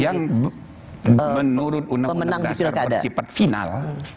yang menurut undang undang dasar bersifat final